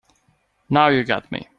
Now you got me.